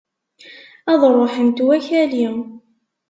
Ad ruḥent wakali!